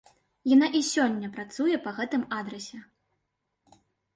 Яна і сёння працуе па гэтым адрасе.